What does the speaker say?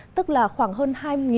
tức là khoảng hơn hai hai trăm linh